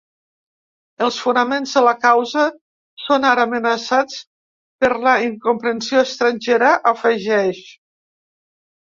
Els fonaments de la causa són ara amenaçats per la incomprensió estrangera, afegeix.